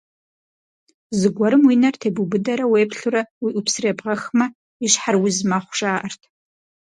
Зыгуэрым уи нэр тебубыдэрэ уеплъурэ уи ӏупсыр ебгъэхмэ, и щхьэр уз мэхъу, жаӏэрт.